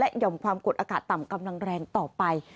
ห่อมความกดอากาศต่ำกำลังแรงต่อไป